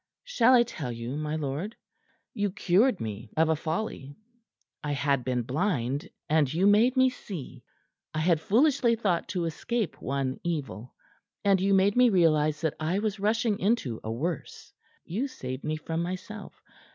"Shall I tell you, my lord? You cured me of a folly. I had been blind, and you made me see. I had foolishly thought to escape one evil, and you made me realize that I was rushing into a worse. You saved me from myself.